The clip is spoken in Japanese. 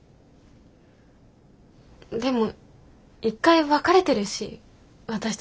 でも一回別れてるし私たち。